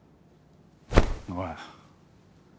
おい